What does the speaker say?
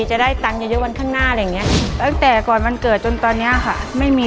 จะได้ตันเยอะข้างหน้าอย่างงี้ตั้งแต่ก่อนวันเกิดจนตอนนี้ค่ะไม่มี